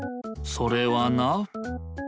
それはな。